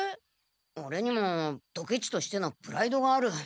オレにもドケチとしてのプライドがある。